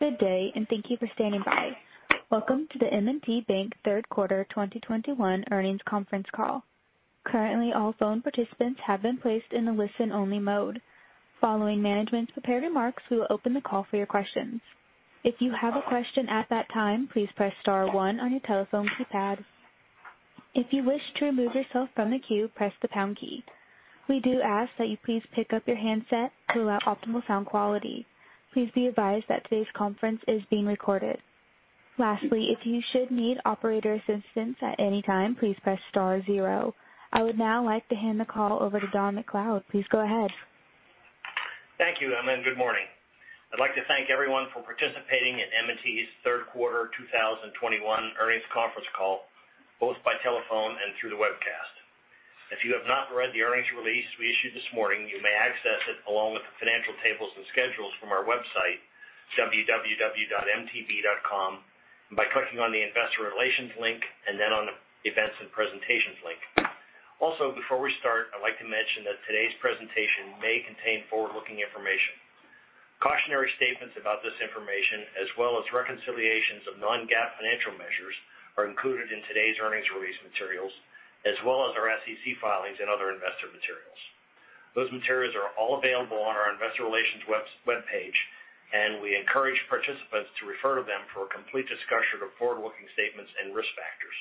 Good day, and thank you for standing by. Welcome to the M&T Bank third quarter 2021 earnings conference call. Currently, all phone participants have been placed in a listen-only mode. Following management's prepared remarks, we will open the call for your questions. If you have a question at that time, please press star one on your telephone keypad. If you wish to remove yourself from the queue, press the pound key. We do ask that you please pick up your handset to allow optimal sound quality. Please be advised that today's conference is being recorded. Lastly, if you should need operator assistance at any time, please press star zero. I would now like to hand the call over to Don MacLeod. Please go ahead. Thank you, Emma, and good morning. I'd like to thank everyone for participating in M&T's third quarter 2021 earnings conference call, both by telephone and through the webcast. If you have not read the earnings release we issued this morning, you may access it along with the financial tables and schedules from our website, www.mtb.com, and by clicking on the investor relations link and then on the events and presentations link. Before we start, I'd like to mention that today's presentation may contain forward-looking information. Cautionary statements about this information, as well as reconciliations of non-GAAP financial measures, are included in today's earnings release materials, as well as our SEC filings and other investor materials. Those materials are all available on our investor relations webpage, and we encourage participants to refer to them for a complete discussion of forward-looking statements and risk factors.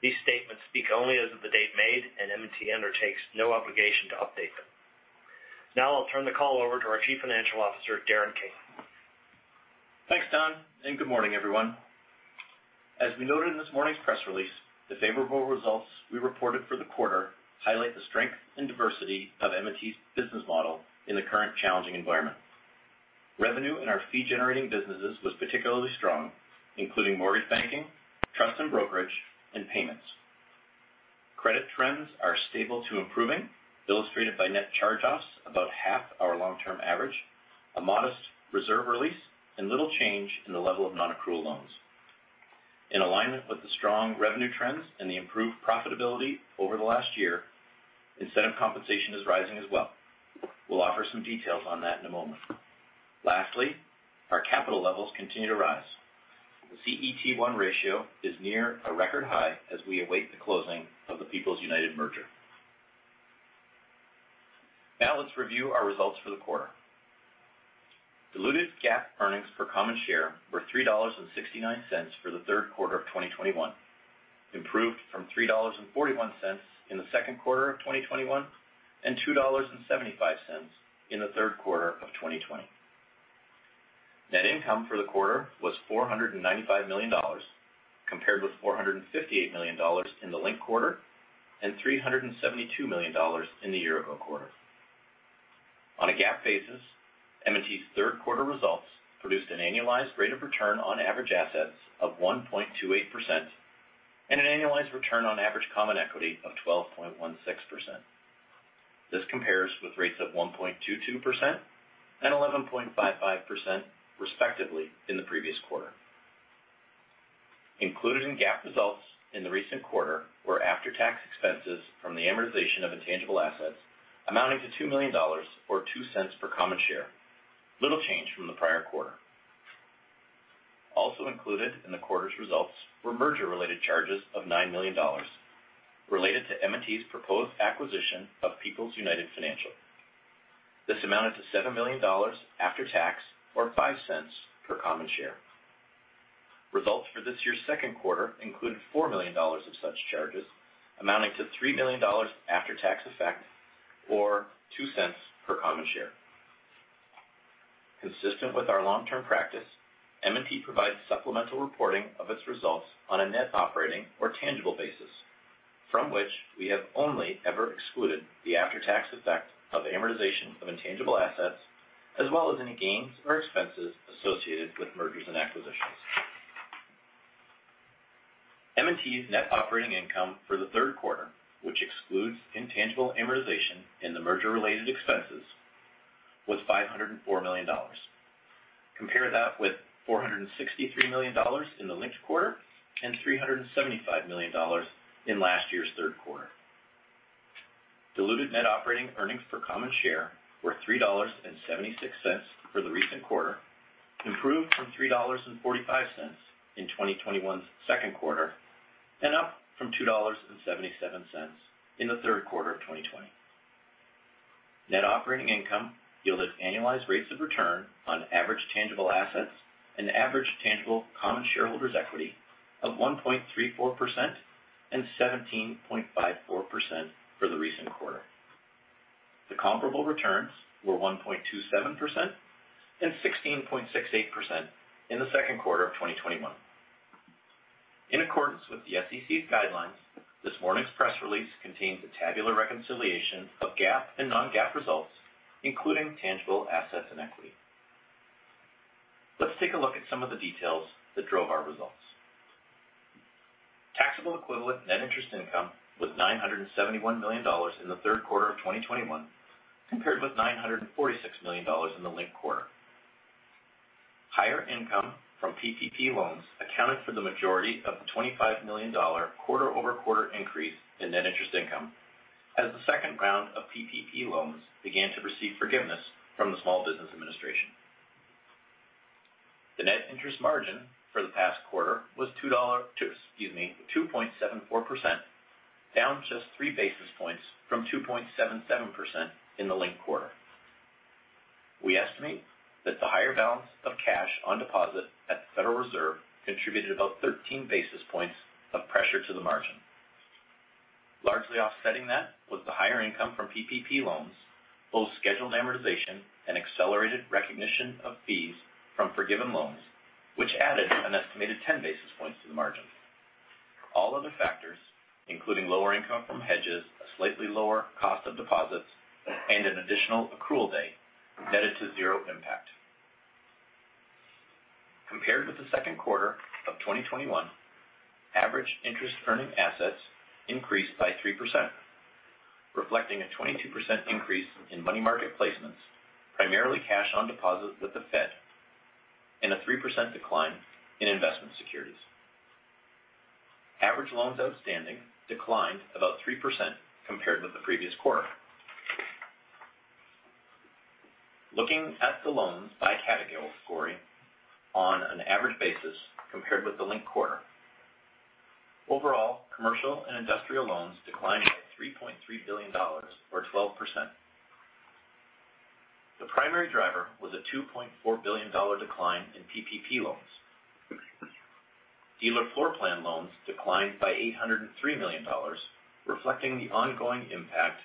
These statements speak only as of the date made, and M&T undertakes no obligation to update them. Now I'll turn the call over to our Chief Financial Officer, Darren King. Thanks, Don, and good morning, everyone. As we noted in this morning's press release, the favorable results we reported for the quarter highlight the strength and diversity of M&T's business model in the current challenging environment. Revenue in our fee-generating businesses was particularly strong, including mortgage banking, trust and brokerage, and payments. Credit trends are stable to improving, illustrated by net charge-offs about half our long-term average, a modest reserve release, and little change in the level of nonaccrual loans. In alignment with the strong revenue trends and the improved profitability over the last year, incentive compensation is rising as well. We'll offer some details on that in a moment. Lastly, our capital levels continue to rise. The CET1 ratio is near a record high as we await the closing of the People's United merger. Now let's review our results for the quarter. Diluted GAAP earnings per common share were $3.69 for the third quarter of 2021, improved from $3.41 in the second quarter of 2021 and $2.75 in the third quarter of 2020. Net income for the quarter was $495 million, compared with $458 million in the linked quarter and $372 million in the year-ago quarter. On a GAAP basis, M&T's third quarter results produced an annualized rate of return on average assets of 1.28% and an annualized return on average common equity of 12.16%. This compares with rates of 1.22% and 11.55%, respectively, in the previous quarter. Included in GAAP results in the recent quarter were after-tax expenses from the amortization of intangible assets amounting to $2 million, or $0.02 per common share. Little change from the prior quarter. Also included in the quarter's results were merger-related charges of $9 million related to M&T's proposed acquisition of People's United Financial. This amounted to $7 million after tax, or $0.05 per common share. Results for this year's second quarter included $4 million of such charges, amounting to $3 million after-tax effect, or $0.02 per common share. Consistent with our long-term practice, M&T provides supplemental reporting of its results on a net operating or tangible basis, from which we have only ever excluded the after-tax effect of amortization of intangible assets, as well as any gains or expenses associated with mergers and acquisitions. M&T's net operating income for the third quarter, which excludes intangible amortization and the merger-related expenses, was $504 million. Compare that with $463 million in the linked quarter and $375 million in last year's third quarter. Diluted net operating earnings per common share were $3.76 for the recent quarter, improved from $3.45 in 2021's second quarter, and up from $2.77 in the third quarter of 2020. Net operating income yielded annualized rates of return on average tangible assets and average tangible common shareholders' equity of 1.34% and 17.54% for the recent quarter. The comparable returns were 1.27% and 16.68% in the second quarter of 2021. In accordance with the SEC's guidelines, this morning's press release contains a tabular reconciliation of GAAP and non-GAAP results, including tangible assets and equity. Let's take a look at some of the details that drove our results. Taxable equivalent net interest income was $971 million in the third quarter of 2021, compared with $946 million in the linked quarter. Higher income from PPP loans accounted for the majority of the $25 million quarter-over-quarter increase in net interest income. As the second round of PPP loans began to receive forgiveness from the Small Business Administration. The net interest margin for the past quarter was, excuse me, 2.74%, down just 3 basis points from 2.77% in the linked quarter. We estimate that the higher balance of cash on deposit at the Federal Reserve contributed about 13 basis points of pressure to the margin. Largely offsetting that was the higher income from PPP loans, both scheduled amortization and accelerated recognition of fees from forgiven loans, which added an estimated 10 basis points to the margin. All other factors, including lower income from hedges, a slightly lower cost of deposits, and an additional accrual day, netted to zero impact. Compared with the second quarter of 2021, average interest-earning assets increased by 3%, reflecting a 22% increase in money market placements, primarily cash on deposit with the Fed, and a 3% decline in investment securities. Average loans outstanding declined about 3% compared with the previous quarter. Looking at the loans by category on an average basis compared with the linked quarter. Overall, commercial and industrial loans declined by $3.3 billion, or 12%. The primary driver was a $2.4 billion decline in PPP loans. Dealer floor plan loans declined by $803 million, reflecting the ongoing impact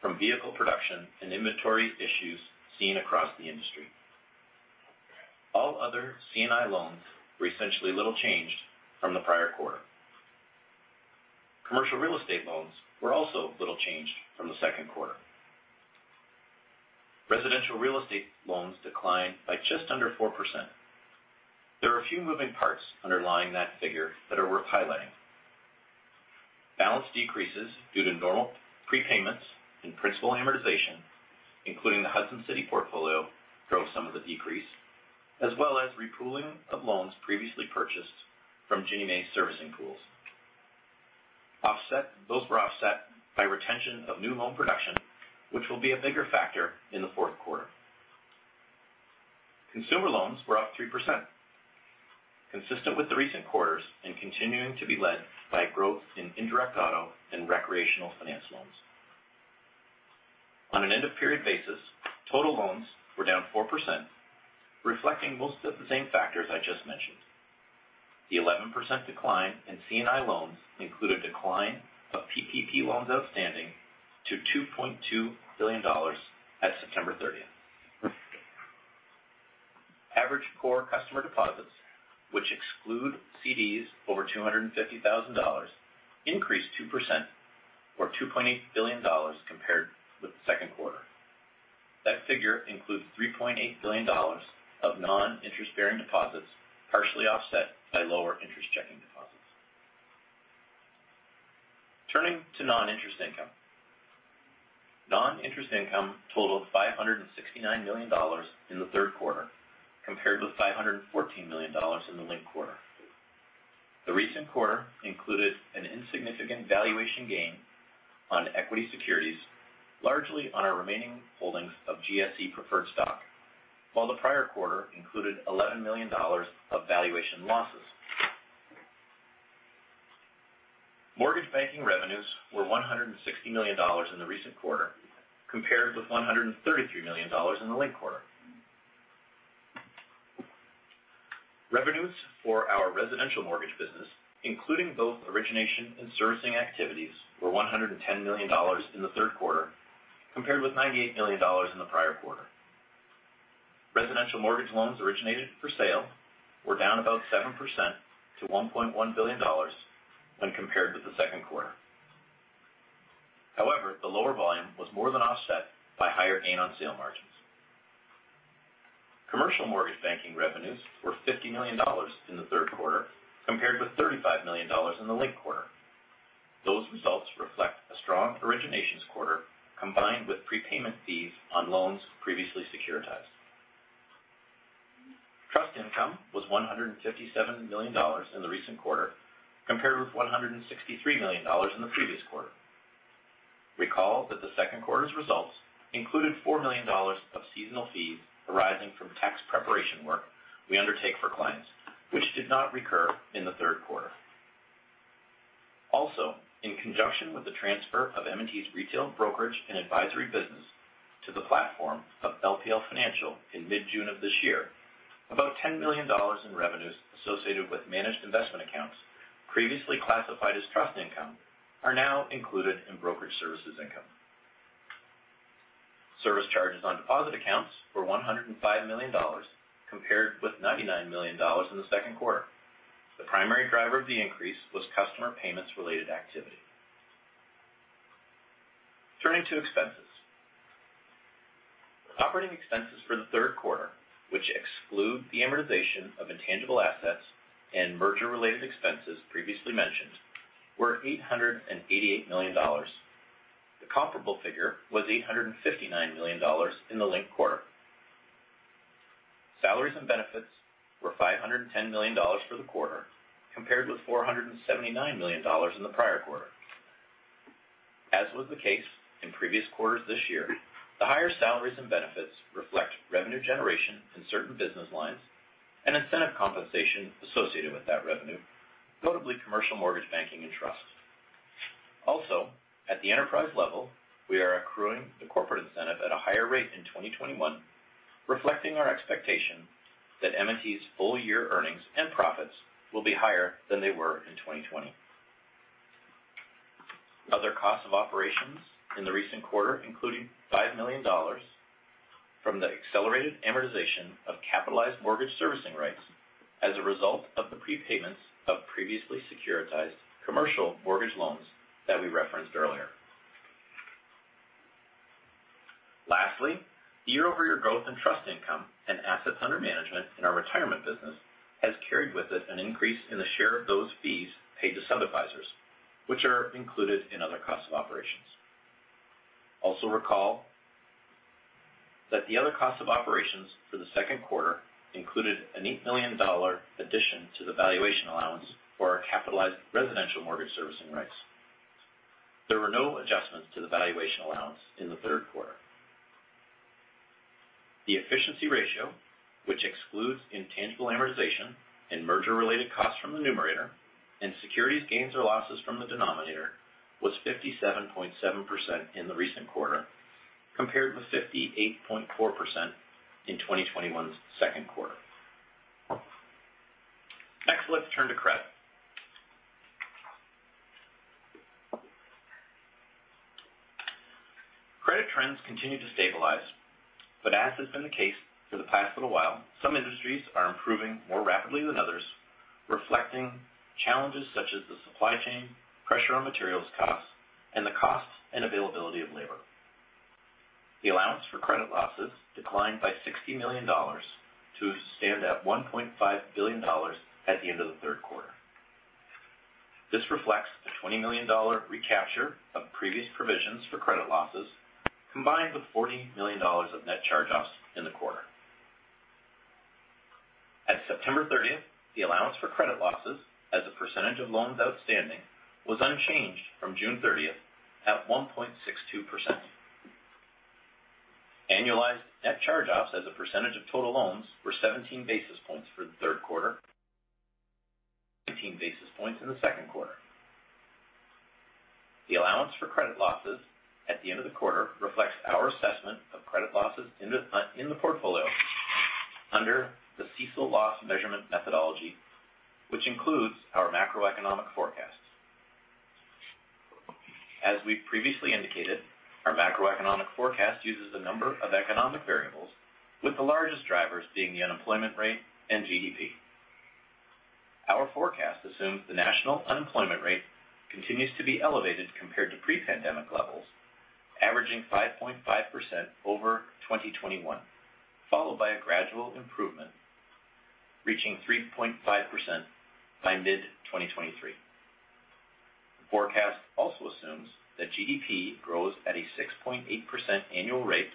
from vehicle production and inventory issues seen across the industry. All other C&I loans were essentially little changed from the prior quarter. Commercial real estate loans were also little changed from the second quarter. Residential real estate loans declined by just under 4%. There are a few moving parts underlying that figure that are worth highlighting. Balance decreases due to normal prepayments and principal amortization, including the Hudson City portfolio, drove some of the decrease, as well as re-pooling of loans previously purchased from Ginnie Mae servicing pools. Those were offset by retention of new home production, which will be a bigger factor in the fourth quarter. Consumer loans were up 3%, consistent with the recent quarters and continuing to be led by growth in indirect auto and recreational finance loans. On an end-of-period basis, total loans were down 4%, reflecting most of the same factors I just mentioned. The 11% decline in C&I loans include a decline of PPP loans outstanding to $2.2 billion at September 30th. Average core customer deposits, which exclude CDs over $250,000, increased 2% or $2.8 billion compared with the second quarter. That figure includes $3.8 billion of non-interest-bearing deposits, partially offset by lower interest checking deposits. Turning to non-interest income. Non-interest income totaled $569 million in the third quarter, compared with $514 million in the linked quarter. The recent quarter included an insignificant valuation gain on equity securities, largely on our remaining holdings of GSE preferred stock, while the prior quarter included $11 million of valuation losses. Mortgage banking revenues were $160 million in the recent quarter, compared with $133 million in the linked quarter. Revenues for our residential mortgage business, including both origination and servicing activities, were $110 million in the third quarter, compared with $98 million in the prior quarter. Residential mortgage loans originated for sale were down about 7% to $1.1 billion when compared with the second quarter. The lower volume was more than offset by higher gain on sale margins. Commercial mortgage banking revenues were $50 million in the third quarter, compared with $35 million in the linked quarter. Those results reflect a strong originations quarter, combined with prepayment fees on loans previously securitized. Trust income was $157 million in the recent quarter, compared with $163 million in the previous quarter. Recall that the second quarter's results included $4 million of seasonal fees arising from tax preparation work we undertake for clients, which did not recur in the third quarter. In conjunction with the transfer of M&T's retail brokerage and advisory business to the platform of LPL Financial in mid-June of this year, about $10 million in revenues associated with managed investment accounts previously classified as trust income are now included in brokerage services income. Service charges on deposit accounts were $105 million, compared with $99 million in the second quarter. The primary driver of the increase was customer payments related activity. Turning to expenses. Operating expenses for the third quarter, which exclude the amortization of intangible assets and merger-related expenses previously mentioned, were $888 million. The comparable figure was $859 million in the linked quarter. Salaries and benefits were $510 million for the quarter, compared with $479 million in the prior quarter. As was the case in previous quarters this year, the higher salaries and benefits reflect revenue generation in certain business lines and incentive compensation associated with that revenue, notably commercial mortgage banking and trust. Also, at the enterprise level, we are accruing the corporate incentive at a higher rate in 2021, reflecting our expectation that M&T's full year earnings and profits will be higher than they were in 2020. Other costs of operations in the recent quarter including $5 million from the accelerated amortization of capitalized mortgage servicing rights as a result of the prepayments of previously securitized commercial mortgage loans that we referenced earlier. Lastly, year-over-year growth in trust income and assets under management in our retirement business has carried with it an increase in the share of those fees paid to sub-advisors, which are included in other cost of operations. Also recall that the other cost of operations for the second quarter included an $8 million addition to the valuation allowance for our capitalized residential mortgage servicing rights. There were no adjustments to the valuation allowance in the third quarter. The efficiency ratio, which excludes intangible amortization and merger-related costs from the numerator and securities gains or losses from the denominator, was 57.7% in the recent quarter, compared with 58.4% in 2021's second quarter. Next, let's turn to credit. Credit trends continue to stabilize, but as has been the case for the past little while, some industries are improving more rapidly than others, reflecting challenges such as the supply chain, pressure on materials costs, and the costs and availability of labor. The allowance for credit losses declined by $60 million to stand at $1.5 billion at the end of the third quarter. This reflects the $20 million recapture of previous provisions for credit losses, combined with $40 million of net charge-offs in the quarter. At September 30th, the allowance for credit losses as a percentage of loans outstanding was unchanged from June 30th at 1.62%. Annualized net charge-offs as a percentage of total loans were 17 basis points for the third quarter, 18 basis points in the second quarter. The allowance for credit losses at the end of the quarter reflects our assessment of credit losses in the portfolio under the CECL loss measurement methodology, which includes our macroeconomic forecast. As we've previously indicated, our macroeconomic forecast uses a number of economic variables, with the largest drivers being the unemployment rate and GDP. Our forecast assumes the national unemployment rate continues to be elevated compared to pre-pandemic levels, averaging 5.5% over 2021, followed by a gradual improvement reaching 3.5% by mid-2023. The forecast also assumes that GDP grows at a 6.8% annual rate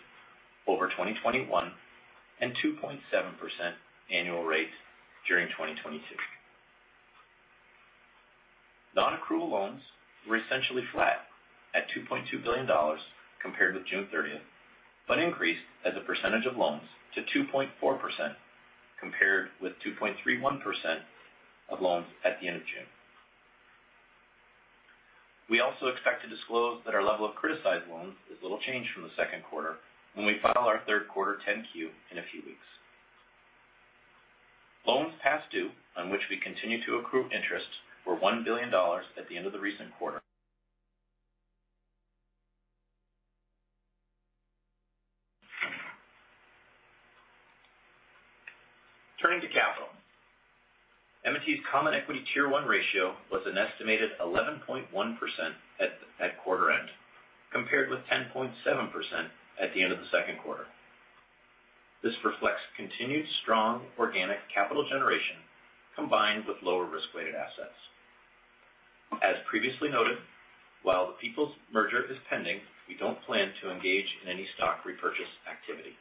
over 2021 and 2.7% annual rate during 2022. Non-accrual loans were essentially flat at $2.2 billion compared with June 30th, but increased as a percentage of loans to 2.4%, compared with 2.31% of loans at the end of June. We also expect to disclose that our level of criticized loans is little changed from the second quarter when we file our third quarter 10-Q in a few weeks. Loans past due on which we continue to accrue interest were $1 billion at the end of the recent quarter. Turning to capital. M&T's Common Equity Tier 1 ratio was an estimated 11.1% at quarter end, compared with 10.7% at the end of the second quarter. This reflects continued strong organic capital generation combined with lower risk-weighted assets. As previously noted, while the People's merger is pending, we don't plan to engage in any stock repurchase activity.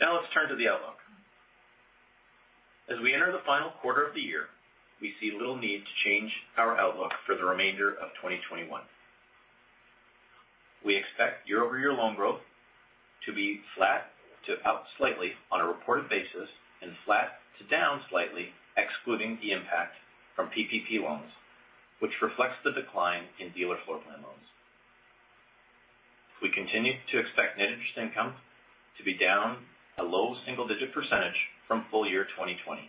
Now let's turn to the outlook. As we enter the final quarter of the year, we see little need to change our outlook for the remainder of 2021. We expect year-over-year loan growth to be flat to out slightly on a reported basis and flat to down slightly excluding the impact from PPP loans, which reflects the decline in dealer floor plan loans. We continue to expect net interest income to be down a low single-digit % from full year 2020.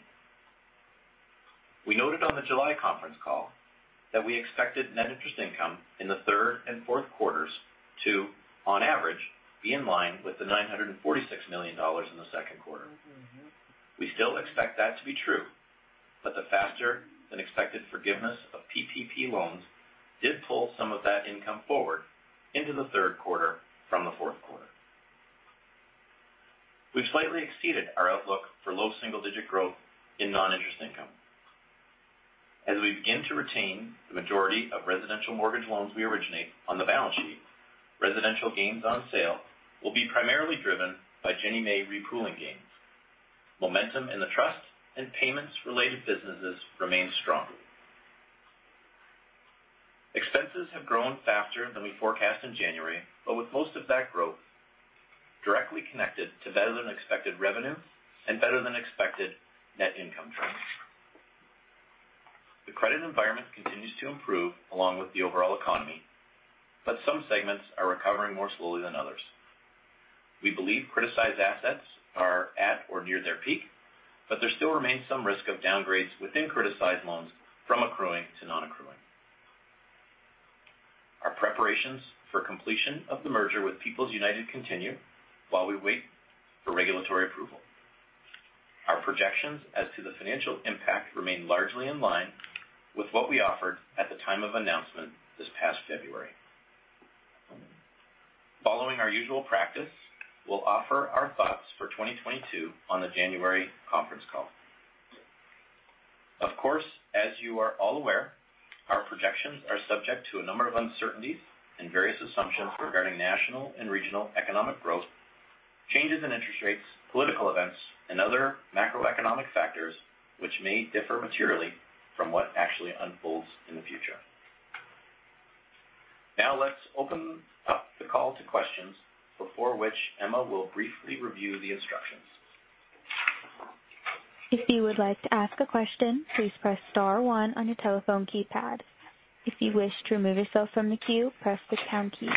We noted on the July conference call that we expected net interest income in the third and fourth quarters to, on average, be in line with the $946 million in the second quarter. We still expect that to be true, but the faster than expected forgiveness of PPP loans did pull some of that income forward into the third quarter from the fourth quarter. We've slightly exceeded our outlook for low single-digit growth in non-interest income. As we begin to retain the majority of residential mortgage loans we originate on the balance sheet, residential gains on sale will be primarily driven by Ginnie Mae re-pooling gains. Momentum in the trust and payments-related businesses remains strong. Expenses have grown faster than we forecast in January, but with most of that growth directly connected to better-than-expected revenue and better-than-expected net income trends. The credit environment continues to improve along with the overall economy, but some segments are recovering more slowly than others. We believe criticized assets are at or near their peak, but there still remains some risk of downgrades within criticized loans from accruing to non-accruing. Our preparations for completion of the merger with People's United continue while we wait for regulatory approval. Our projections as to the financial impact remain largely in line with what we offered at the time of announcement this past February. Following our usual practice, we'll offer our thoughts for 2022 on the January conference call. Of course, as you are all aware, our projections are subject to a number of uncertainties and various assumptions regarding national and regional economic growth, changes in interest rates, political events, and other macroeconomic factors, which may differ materially from what actually unfolds in the future. Let's open up the call to questions, before which Emma will briefly review the instructions. If you would like to ask a question, please press star one on your telephone keypad. If you wish to remove yourself from the queue, press the pound key.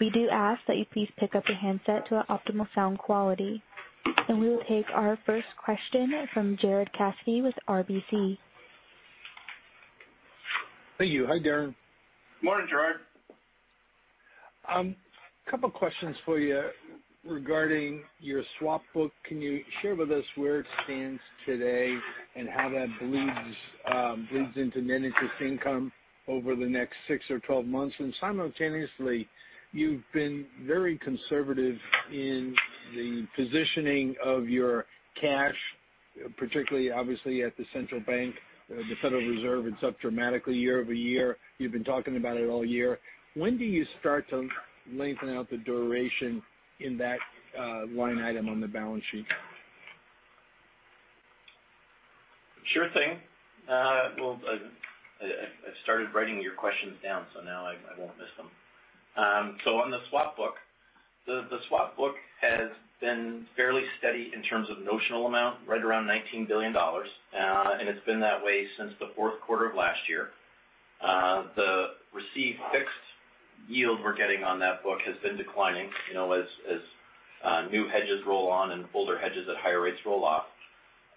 We do ask that you please pick up your handset to allow optimal sound quality. We will take our first question from Gerard Cassidy with RBC. Thank you. Hi, Darren. Morning, Gerard. A couple questions for you regarding your swap book. Can you share with us where it stands today and how that bleeds into net interest income over the next 6 or 12 months? Simultaneously, you've been very conservative in the positioning of your cash, particularly obviously at the central bank, the Federal Reserve. It's up dramatically year-over-year. You've been talking about it all year. When do you start to lengthen out the duration in that line item on the balance sheet? Sure thing. Well, I've started writing your questions down, so now I won't miss them. On the swap book. The swap book has been fairly steady in terms of notional amount, right around $19 billion. It's been that way since the fourth quarter of last year. The received fixed yield we're getting on that book has been declining as new hedges roll on and older hedges at higher rates roll off.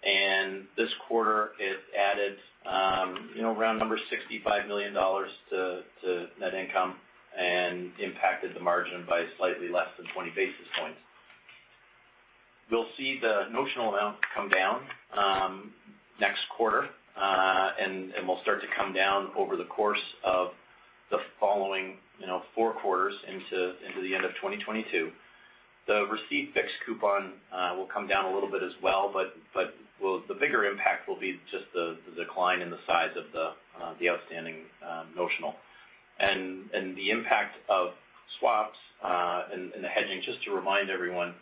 This quarter it added around $65 million to net income and impacted the margin by slightly less than 20 basis points. We'll see the notional amount come down next quarter. Will start to come down over the course of the following four quarters into the end of 2022. The received fixed coupon will come down a little bit as well, but the bigger impact will be just the decline in the size of the outstanding notional. The impact of swaps and the hedging, just to remind everyone,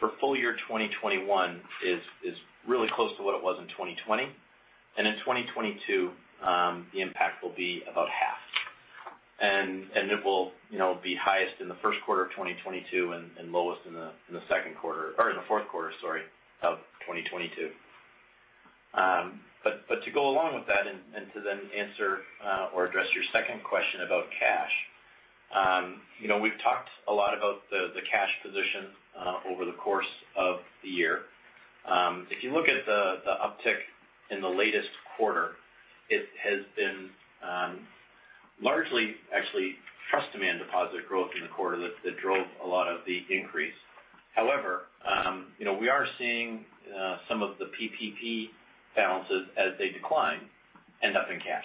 for full year 2021 is really close to what it was in 2020. In 2022, the impact will be about half. It will be highest in the first quarter of 2022 and lowest in the second quarter, or in the fourth quarter, sorry, of 2022. To go along with that and to then answer or address your second question about cash, we've talked a lot about the cash position over the course of the year. If you look at the uptick in the latest quarter, it has been largely, actually, trust demand deposit growth in the quarter that drove a lot of the increase. However, we are seeing some of the PPP balances as they decline end up in cash.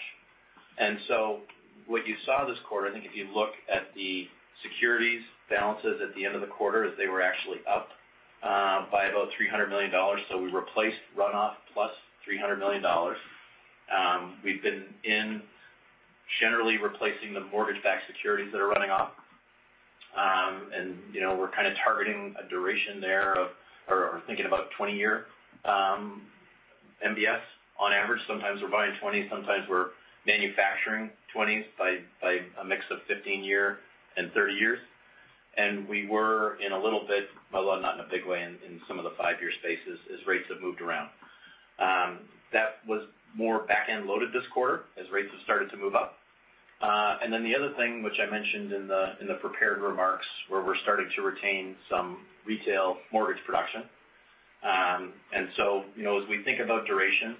What you saw this quarter, I think if you look at the securities balances at the end of the quarter, is they were actually up by about $300 million. We replaced runoff +$300 million. We've been in generally replacing the mortgage-backed securities that are running off. We're kind of targeting a duration there or thinking about 20-year MBS on average. Sometimes we're buying 20, sometimes we're manufacturing 20s by a mix of 15-year and 30-year. We were in a little bit, although not in a big way, in some of the five-year spaces as rates have moved around. That was more back-end loaded this quarter as rates have started to move up. The other thing which I mentioned in the prepared remarks, we're starting to retain some retail mortgage production. As we think about duration,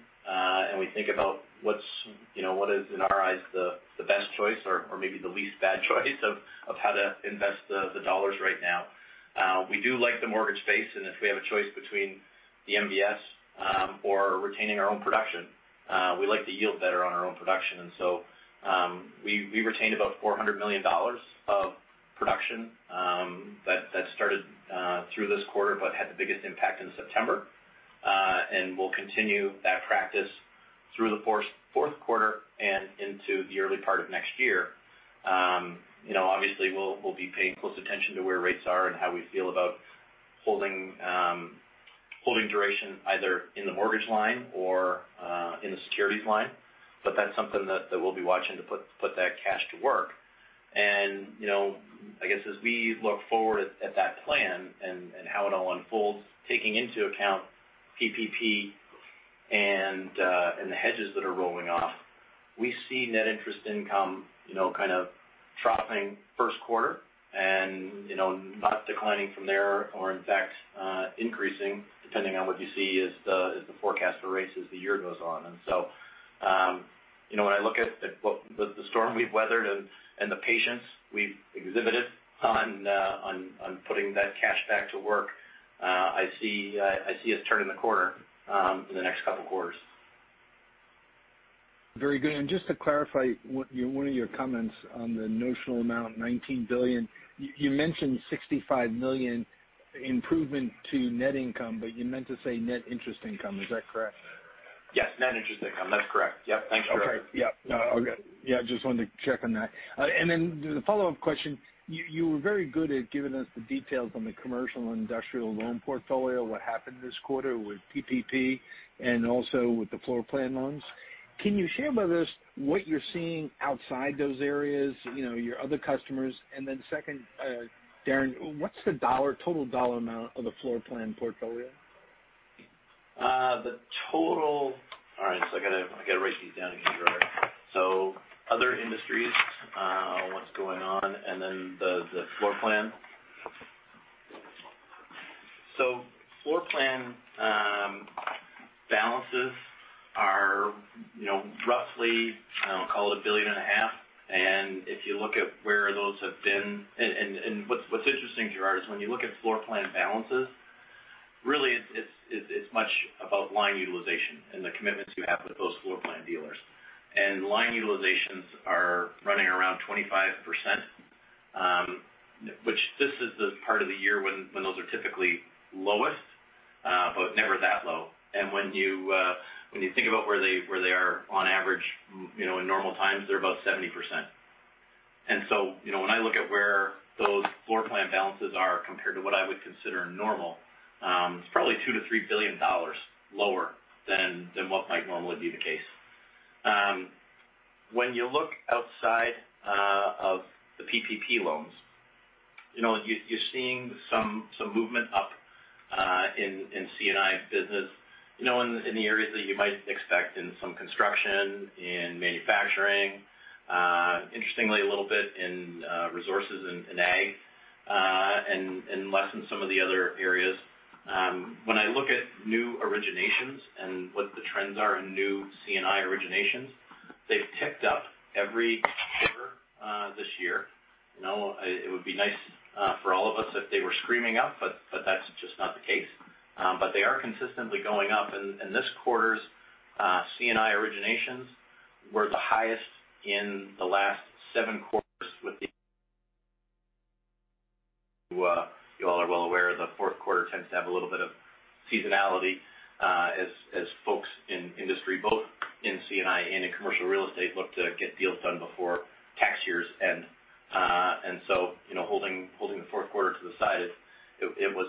and we think about what is in our eyes the best choice or maybe the least bad choice of how to invest the dollars right now, we do like the mortgage space. If we have a choice between the MBS or retaining our own production, we like the yield better on our own production. We retained about $400 million of production. That started through this quarter but had the biggest impact in September. We'll continue that practice through the fourth quarter and into the early part of next year. Obviously, we'll be paying close attention to where rates are and how we feel about holding duration either in the mortgage line or in the securities line. That's something that we'll be watching to put that cash to work. I guess as we look forward at that plan and how it all unfolds, taking into account PPP and the hedges that are rolling off, we see net interest income kind of dropping first quarter and not declining from there or in fact, increasing, depending on what you see as the forecast for rates as the year goes on. When I look at the storm we've weathered and the patience we've exhibited on putting that cash back to work, I see us turning the corner in the next two quarters. Very good. Just to clarify one of your comments on the notional amount, $19 billion. You mentioned $65 million improvement to net income, but you meant to say net interest income, is that correct? Yes. Net interest income. That's correct. Yep. Thanks, Gerard. Okay. Yep. I just wanted to check on that. The follow-up question, you were very good at giving us the details on the commercial and industrial loan portfolio, what happened this quarter with PPP and also with the floor plan loans. Can you share with us what you're seeing outside those areas, your other customers? Second, Darren, what's the total dollar amount of the floor plan portfolio? All right. I got to write these down again, Gerard. Other industries, what's going on, the floor plan. Floor plan balances are roughly, call it a billion and a half. What's interesting, Gerard, is when you look at floor plan balances, really it's much about line utilization and the commitments you have with those floor plan dealers. Line utilizations are running around 25%, which this is the part of the year when those are typically lowest, but never that low. When you think about where they are on average in normal times, they're about 70%. When I look at where those floor plan balances are compared to what I would consider normal, it's probably $2 billion-$3 billion lower than what might normally be the case. When you look outside of the PPP loans, you're seeing some movement up in C&I business in the areas that you might expect, in some construction, in manufacturing. Interestingly, a little bit in resources and ag, and less in some of the other areas. When I look at new originations and what the trends are in new C&I originations, they've ticked up every quarter this year. It would be nice for all of us if they were screaming up, but that's just not the case. They are consistently going up, and this quarter's C&I originations were the highest in the last seven quarters. You all are well aware the fourth quarter tends to have a little bit of seasonality as folks in industry, both in C&I and in commercial real estate look to get deals done before tax years end. Holding the fourth quarter to the side, it was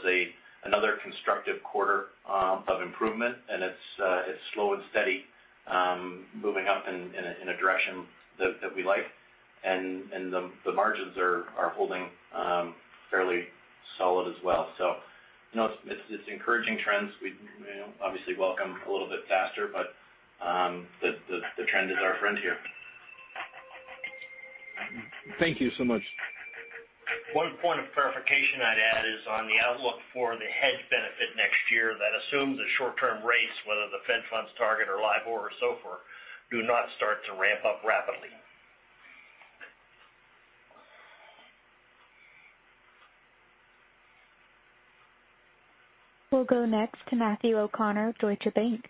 another constructive quarter of improvement and it's slow and steady moving up in a direction that we like. The margins are holding fairly solid as well. It's encouraging trends. We'd obviously welcome a little bit faster, but the trend is our friend here. Thank you so much. One point of clarification I'd add is on the outlook for the hedge benefit next year. That assumes that short-term rates, whether the Fed funds target or LIBOR or SOFR, do not start to ramp up rapidly. We'll go next to Matthew O'Connor, Deutsche Bank.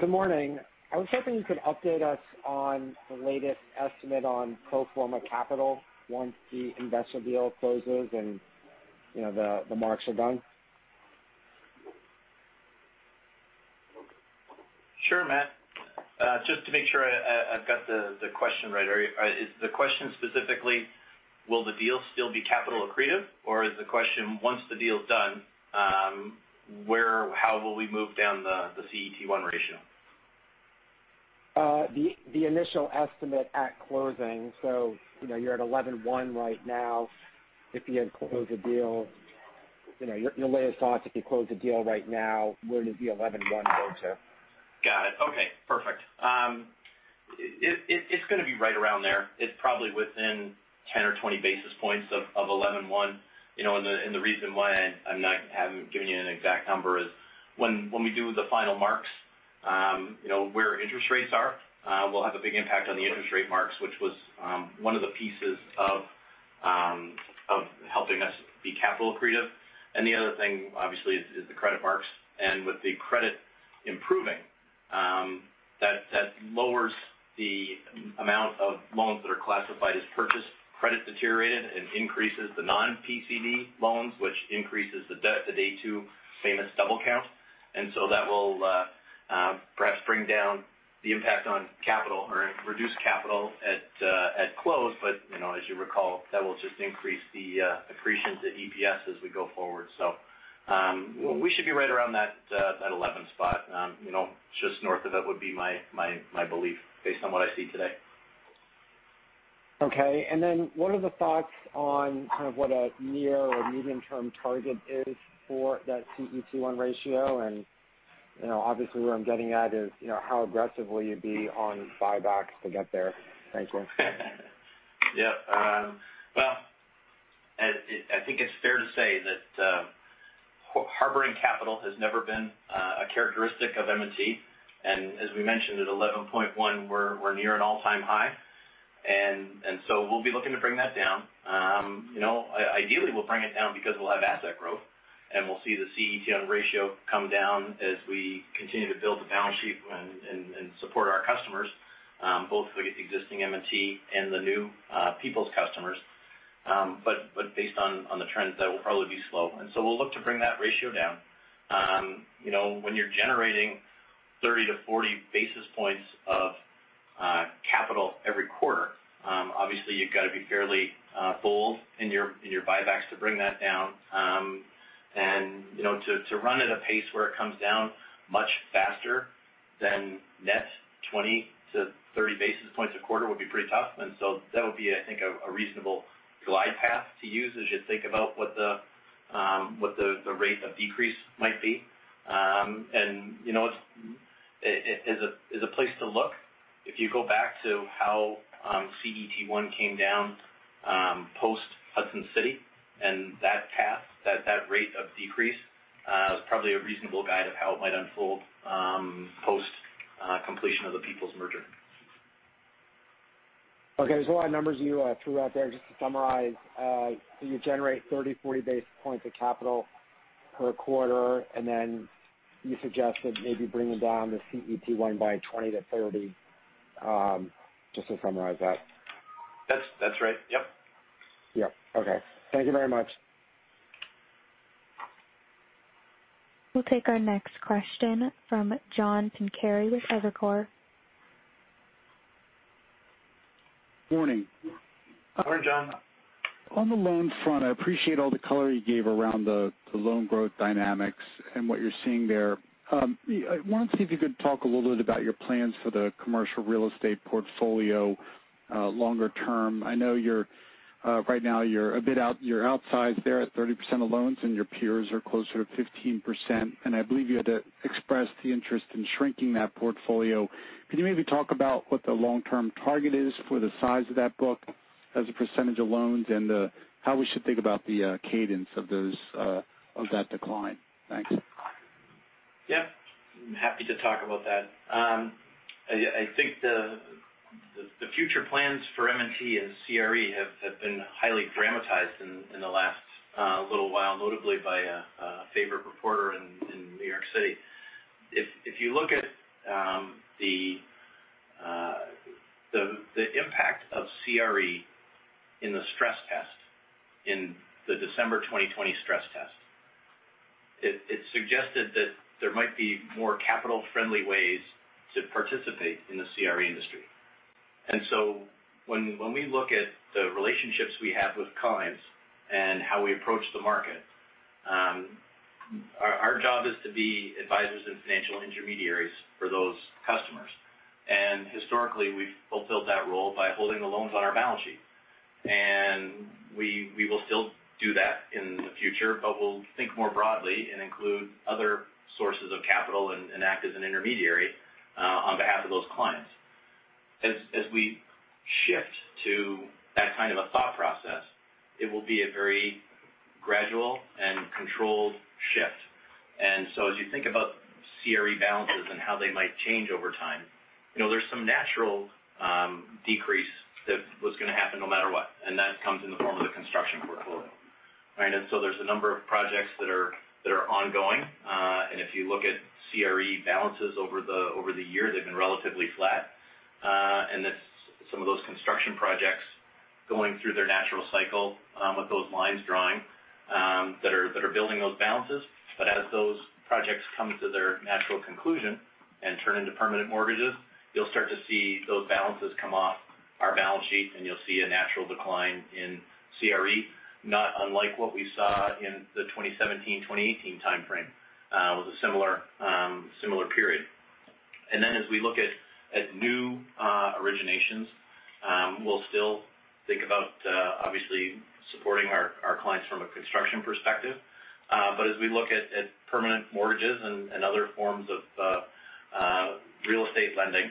Good morning. I was hoping you could update us on the latest estimate on pro forma capital once the Invesco deal closes and the marks are done. Sure, Matt. Just to make sure I've got the question right. Is the question specifically will the deal still be capital accretive, or is the question, once the deal's done, how will we move down the CET1 ratio? The initial estimate at closing. You're at 11.1 right now. If you had closed the deal, your latest thoughts if you closed the deal right now, where does the 11.1 go to? Got it. Okay, perfect. It's going to be right around there. It's probably within 10 or 20 basis points of 11.1. The reason why I haven't given you an exact number is when we do the final marks, where interest rates are will have a big impact on the interest rate marks, which was one of the pieces of helping us be capital accretive. The other thing, obviously, is the credit marks. With the credit improving. That lowers the amount of loans that are classified as Purchased Credit Deteriorated and increases the non-PCD loans, which increases the day two famous double count. That will perhaps bring down the impact on capital or reduce capital at close. As you recall, that will just increase the accretion to EPS as we go forward. We should be right around that 11 spot. Just north of it would be my belief based on what I see today. Okay. What are the thoughts on kind of what a near or medium-term target is for that CET1 ratio? Obviously, where I'm getting at is how aggressive will you be on buybacks to get there? Thank you. I think it's fair to say that harboring capital has never been a characteristic of M&T. As we mentioned, at 11.1, we're near an all-time high. We'll be looking to bring that down. Ideally, we'll bring it down because we'll have asset growth, and we'll see the CET1 ratio come down as we continue to build the balance sheet and support our customers, both the existing M&T and the new People's customers. Based on the trends, that will probably be slow. We'll look to bring that ratio down. When you're generating 30 basis points to 40 basis points of capital every quarter, obviously, you've got to be fairly bold in your buybacks to bring that down. To run at a pace where it comes down much faster than net 20 basis points to 30 basis points a quarter would be pretty tough. That would be, I think, a reasonable glide path to use as you think about what the rate of decrease might be. As a place to look, if you go back to how CET1 came down post Hudson City and that path, that rate of decrease, is probably a reasonable guide of how it might unfold post completion of the People's merger. Okay. There's a lot of numbers you threw out there. Just to summarize, you generate 30 basis points, 40 basis points of capital per quarter. You suggested maybe bringing down the CET1 by 20 basis points to 30 basis points, just to summarize that. That's right. Yep. Yep. Okay. Thank you very much. We'll take our next question from John Pancari with Evercore. Morning. Morning, John. On the loan front, I appreciate all the color you gave around the loan growth dynamics and what you're seeing there. I want to see if you could talk a little bit about your plans for the commercial real estate portfolio longer term. I know right now you're a bit outsized there at 30% of loans and your peers are closer to 15%, and I believe you had expressed the interest in shrinking that portfolio. Could you maybe talk about what the long-term target is for the size of that book as a percentage of loans and how we should think about the cadence of that decline? Thanks. Yeah. I'm happy to talk about that. I think the future plans for M&T and CRE have been highly dramatized in the last little while, notably by a favorite reporter in New York City. If you look at the impact of CRE in the stress test, in the December 2020 stress test, it suggested that there might be more capital-friendly ways to participate in the CRE industry. When we look at the relationships we have with clients and how we approach the market, our job is to be advisors and financial intermediaries for those customers. Historically, we've fulfilled that role by holding the loans on our balance sheet. We will still do that in the future, but we'll think more broadly and include other sources of capital and act as an intermediary on behalf of those clients. As we shift to that kind of a thought process, it will be a very gradual and controlled shift. As you think about CRE balances and how they might change over time, there's some natural decrease that was going to happen no matter what, and that comes in the form of the construction portfolio. Right? There's a number of projects that are ongoing. If you look at CRE balances over the year, they've been relatively flat. That's some of those construction projects going through their natural cycle with those lines drawing that are building those balances. As those projects come to their natural conclusion and turn into permanent mortgages, you'll start to see those balances come off our balance sheet, and you'll see a natural decline in CRE, not unlike what we saw in the 2017, 2018 time frame with a similar period. As we look at new originations, we'll still think about obviously supporting our clients from a construction perspective. As we look at permanent mortgages and other forms of real estate lending,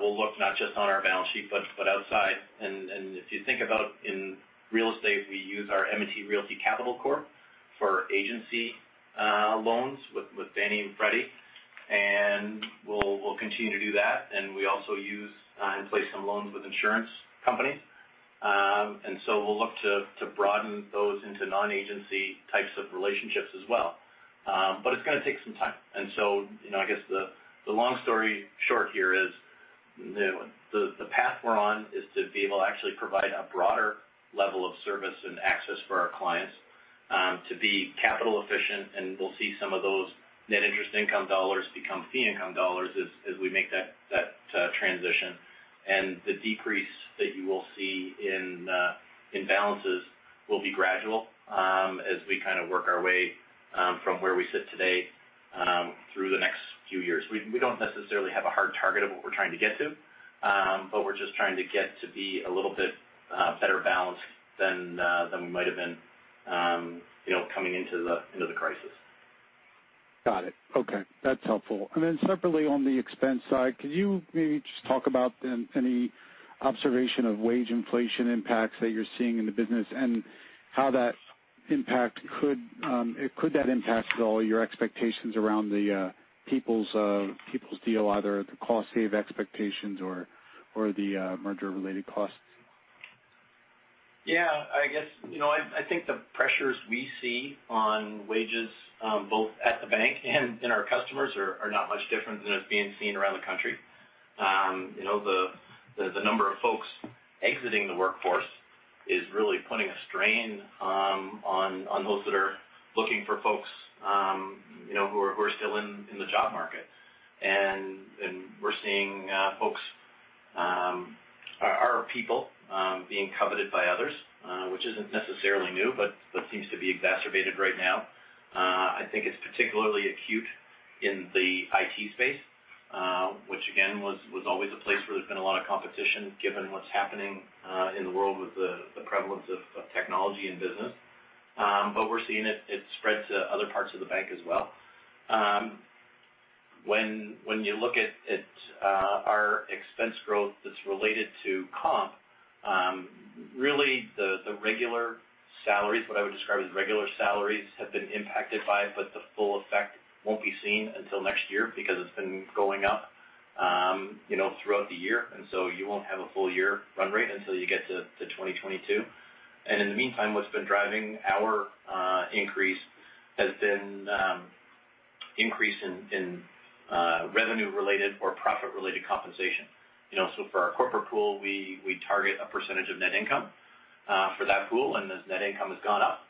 we'll look not just on our balance sheet but outside. If you think about in real estate, we use our M&T Realty Capital Corp for agency loans with Fannie and Freddie, and we'll continue to do that. We also use and place some loans with insurance companies. So we'll look to broaden those into non-agency types of relationships as well. It's going to take some time. So, I guess the long story short here is the path we're on is to be able to actually provide a broader level of service and access for our clients to be capital efficient. We'll see some of those net interest income dollars become fee income dollars as we make that transition. The decrease that you will see in balances will be gradual as we kind of work our way from where we sit today through the next few years. We don't necessarily have a hard target of what we're trying to get to. We're just trying to get to be a little bit better balanced than we might have been coming into the crisis. Got it. Okay. That's helpful. Separately, on the expense side, could you maybe just talk about any observation of wage inflation impacts that you're seeing in the business and could that impact at all your expectations around the People's deal, either the cost save expectations or the merger related costs? Yeah. I think the pressures we see on wages both at the bank and in our customers are not much different than is being seen around the country. The number of folks exiting the workforce is really putting a strain on those that are looking for folks who are still in the job market. We're seeing our people being coveted by others, which isn't necessarily new, but seems to be exacerbated right now. I think it's particularly acute in the IT space, which again was always a place where there's been a lot of competition, given what's happening in the world with the prevalence of technology in business. We're seeing it spread to other parts of the bank as well. When you look at our expense growth that's related to comp, really what I would describe as regular salaries have been impacted by it, but the full effect won't be seen until next year because it's been going up throughout the year. You won't have a full one year run rate until you get to 2022. In the meantime, what's been driving our increase has been increase in revenue related or profit related compensation. For our corporate pool, we target a percentage of net income for that pool, and as net income has gone up,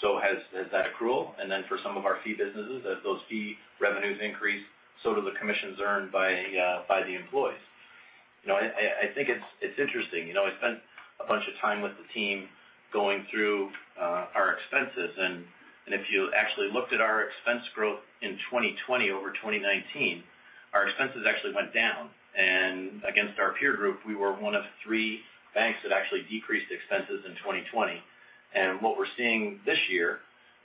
so has that accrual. For some of our fee businesses, as those fee revenues increase, so do the commissions earned by the employees. I think it's interesting. I spent a bunch of time with the team going through our expenses. If you actually looked at our expense growth in 2020 over 2019, our expenses actually went down. Against our peer group, we were one of three banks that actually decreased expenses in 2020. What we're seeing this year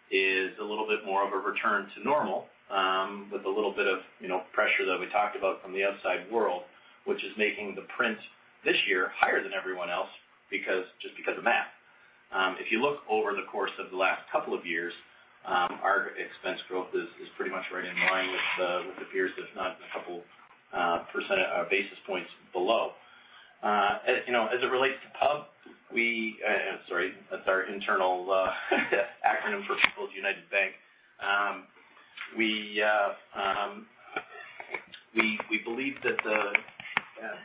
is a little bit more of a return to normal with a little bit of pressure that we talked about from the outside world, which is making the print this year higher than everyone else just because of math. If you look over the course of the last couple of years, our expense growth is pretty much right in line with the peers, if not a couple % basis points below. As it relates to PUB, that's our internal acronym for People's United Bank. We believe that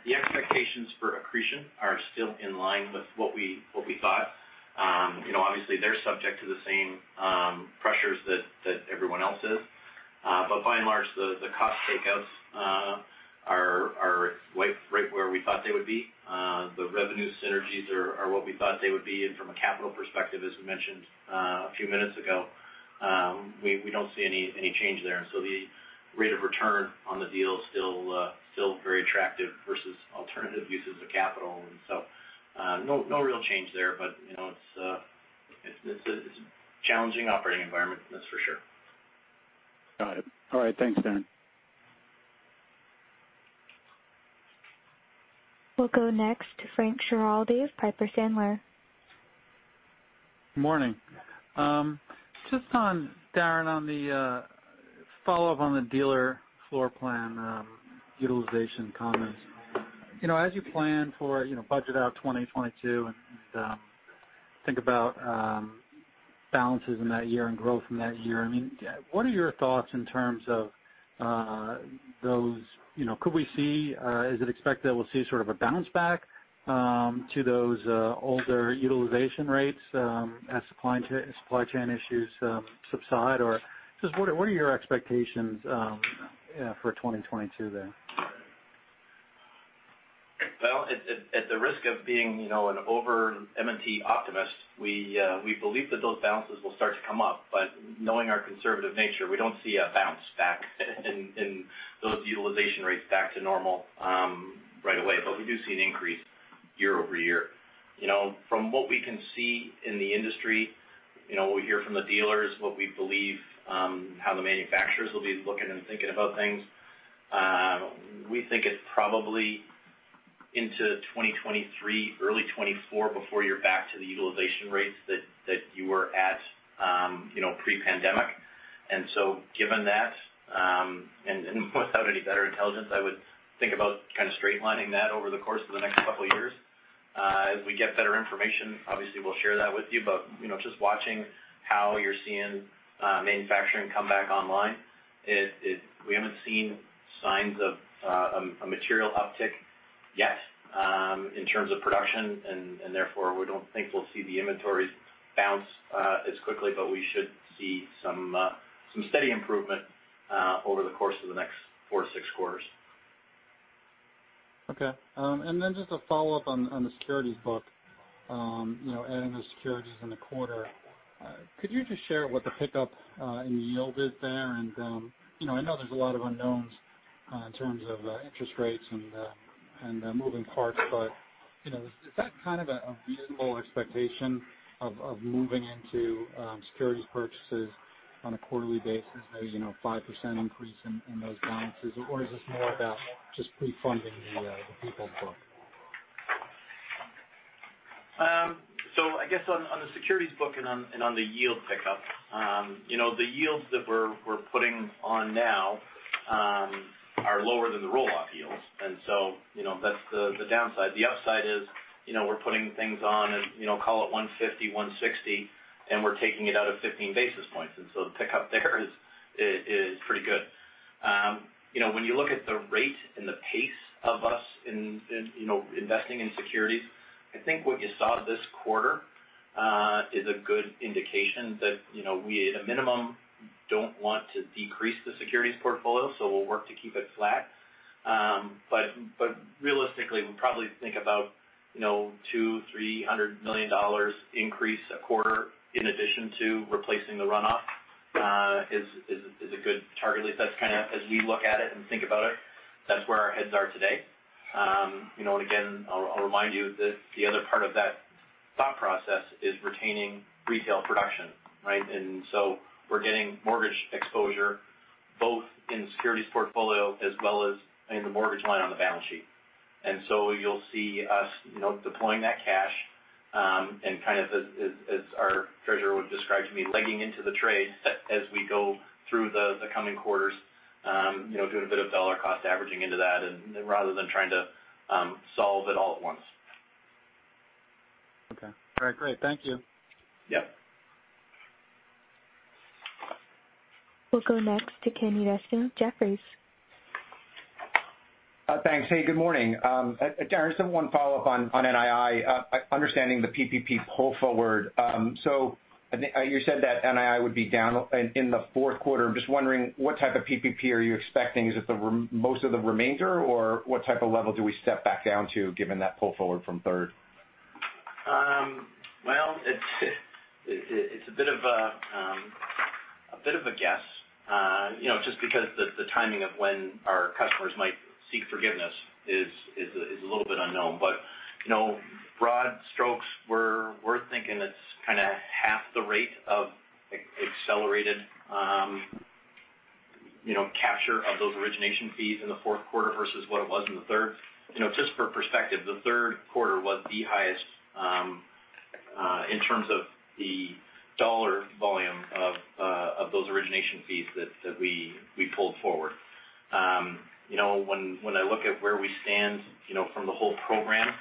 the expectations for accretion are still in line with what we thought. Obviously they're subject to the same pressures that everyone else is. By and large, the cost takeouts are right where we thought they would be. The revenue synergies are what we thought they would be. From a capital perspective, as we mentioned a few minutes ago, we don't see any change there. The rate of return on the deal is still very attractive versus alternative uses of capital. No real change there. It's a challenging operating environment, that's for sure. Got it. All right. Thanks, Darren. We'll go next to Frank Schiraldi of Piper Sandler. Morning. Just, Darren, follow-up on the dealer floor plan utilization comments. As you plan for budget out 2022 and think about balances in that year and growth in that year, what are your thoughts in terms of could we see, is it expected that we'll see sort of a bounce back to those older utilization rates as supply chain issues subside? Just what are your expectations for 2022 there? Well, at the risk of being an over M&T optimist, we believe that those balances will start to come up. Knowing our conservative nature, we don't see a bounce back in those utilization rates back to normal right away. We do see an increase year-over-year. From what we can see in the industry, what we hear from the dealers, what we believe how the manufacturers will be looking and thinking about things, we think it's probably into 2023, early 2024 before you're back to the utilization rates that you were at pre-pandemic. Given that, and without any better intelligence, I would think about kind of straight-lining that over the course of the next couple of years. As we get better information, obviously, we'll share that with you. Just watching how you're seeing manufacturing come back online, we haven't seen signs of a material uptick yet in terms of production, and therefore, we don't think we'll see the inventories bounce as quickly. We should see some steady improvement over the course of the next four to six quarters. Okay. Just a follow-up on the securities book, adding the securities in the quarter. Could you just share what the pickup in yield is there? I know there's a lot of unknowns in terms of interest rates and moving parts, but is that kind of a reasonable expectation of moving into securities purchases on a quarterly basis, maybe 5% increase in those balances? Is this more about just pre-funding the People's United book? I guess on the securities book and on the yield pickup, the yields that we're putting on now are lower than the roll-off yields. That's the downside. The upside is we're putting things on at call it 150 basis points, 160 basis points, and we're taking it out at 15 basis points. The pickup there is pretty good. When you look at the rate and the pace of us investing in securities, I think what you saw this quarter is a good indication that we, at a minimum, don't want to decrease the securities portfolio. We'll work to keep it flat. Realistically, we probably think about $200 million, $300 million increase a quarter in addition to replacing the runoff is a good target. At least that's kind of as we look at it and think about it, that's where our heads are today. Again, I'll remind you that the other part of that thought process is retaining retail production, right? So we're getting mortgage exposure both in the securities portfolio as well as in the mortgage line on the balance sheet. So you'll see us deploying that cash and kind of as our treasurer would describe to me, legging into the trade as we go through the coming quarters, doing a bit of dollar cost averaging into that and rather than trying to solve it all at once. Okay. All right, great. Thank you. Yeah. We'll go next to Ken Usdin, Jefferies. Thanks. Hey, good morning. Darren, just have one follow-up on NII, understanding the PPP pull forward. You said that NII would be down in the fourth quarter. I'm just wondering what type of PPP are you expecting? Is it most of the remainder, or what type of level do we step back down to given that pull forward from third? Well, it's a bit of a guess just because the timing of when our customers might seek forgiveness is a little bit unknown. Broad strokes, we're thinking it's kind of half the rate of accelerated capture of those origination fees in the fourth quarter versus what it was in the third. Just for perspective, the third quarter was the highest in terms of the dollar volume of those origination fees that we pulled forward. When I look at where we stand from the whole program,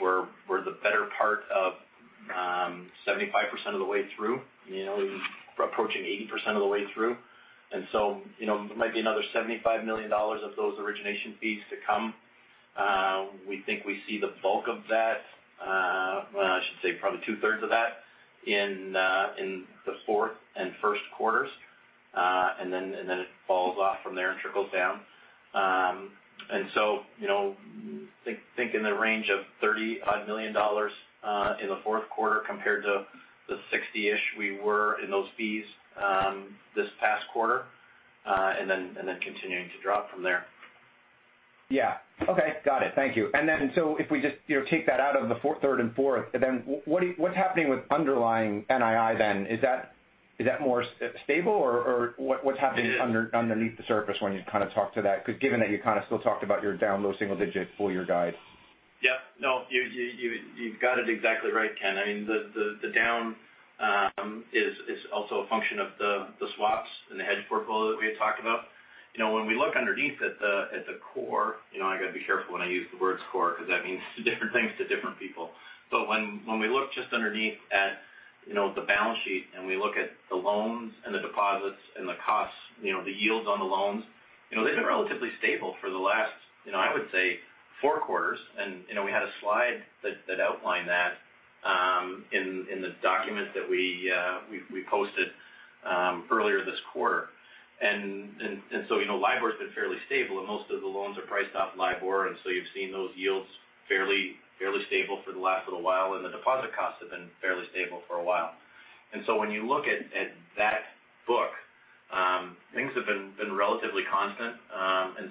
we're the better part of 75% of the way through, approaching 80% of the way through. There might be another $75 million of those origination fees to come. We think we see the bulk of that, I should say probably 2/3 of that in the fourth and first quarters. Then it falls off from there and trickles down. Think in the range of $30 million in the fourth quarter compared to the $60-ish million we were in those fees this past quarter, and then continuing to drop from there. Yeah. Okay. Got it. Thank you. If we just take that out of the third and fourth, what's happening with underlying NII then? Is that more stable, or what's happening- It is. underneath the surface when you kind of talk to that? Because given that you kind of still talked about your down low single digit full year guide. Yeah. No, you've got it exactly right, Ken. The down is also a function of the swaps and the hedge portfolio that we had talked about. When we look underneath at the core, I've got to be careful when I use the word core because that means different things to different people. When we look just underneath at the balance sheet and we look at the loans and the deposits and the costs, the yields on the loans, they've been relatively stable for the last I would say four quarters. We had a slide that outlined that in the document that we posted earlier this quarter. LIBOR's been fairly stable, and most of the loans are priced off LIBOR, and so you've seen those yields fairly stable for the last little while, and the deposit costs have been fairly stable for a while. When you look at that book, things have been relatively constant.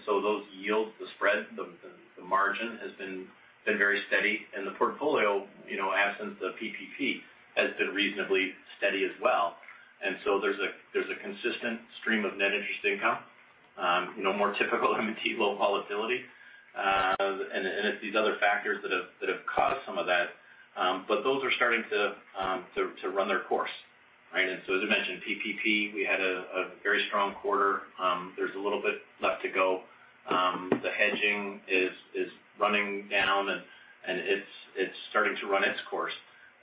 Those yields, the spread, the margin has been very steady. The portfolio, absent the PPP, has been reasonably steady as well. There's a consistent stream of net interest income. More typical M&T low volatility. It's these other factors that have caused some of that. Those are starting to run their course, right? As I mentioned, PPP, we had a very strong quarter. There's a little bit left to go. The hedging is running down, and it's starting to run its course.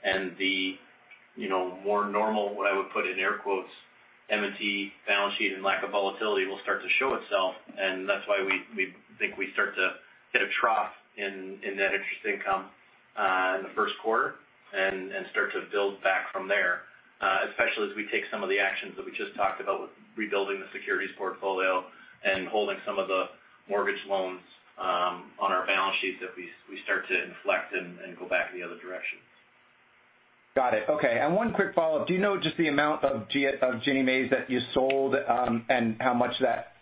The more normal, what I would put in air quotes, M&T balance sheet and lack of volatility will start to show itself, and that's why we think we start to hit a trough in net interest income in the first quarter and start to build back from there, especially as we take some of the actions that we just talked about with rebuilding the securities portfolio and holding some of the mortgage loans on our balance sheet as we start to inflect and go back in the other direction. Got it. Okay. One quick follow-up. Do you know just the amount of Ginnie Maes that you sold and how much that